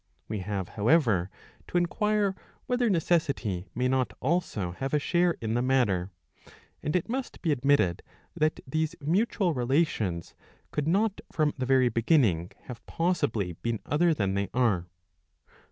We have however to inquire whether necessity may not also have a share in the matter ; and it must be admitted that these mutual relations could not from the very beginning have possibly been other than they are.